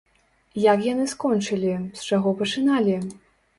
Як яны скончылі, з чаго пачыналі?